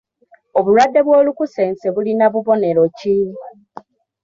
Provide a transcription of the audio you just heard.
Obulwadde bw'olukusense bulina bubonero ki?